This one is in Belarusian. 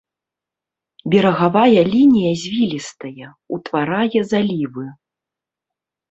Берагавая лінія звілістая, утварае залівы.